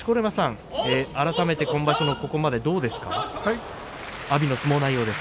改めて今場所のここまでいかがですか。